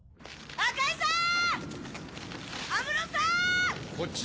赤井さん！